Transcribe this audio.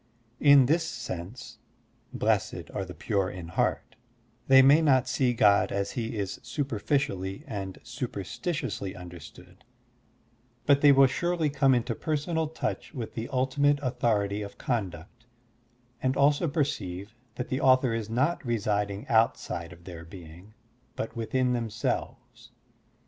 In this sense blessed are the pure in heart'*; they may not see God as he is superficially and superstitiously understood, but they will surely come into personal touch with the Digitized by Google BUDDHIST ETHICS 75 ultimate authority of conduct and also perceive that the author is not residing outside of their being but within themselves.